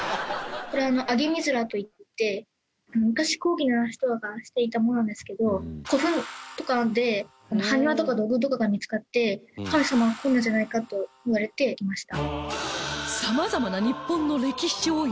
これあの上げ美豆良といって昔高貴な人がしていたものなんですけど古墳とかで埴輪とか土偶とかが見つかって神様はこんなじゃないかといわれていました。